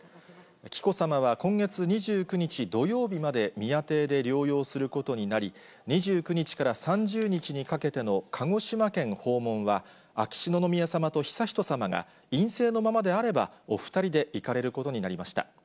紀子さまは今月２９日土曜日まで宮邸で療養することになり、２９日から３０日にかけての鹿児島県訪問は、秋篠宮さまと悠仁さまが陰性のままであれば、お２人で行かれることになりました。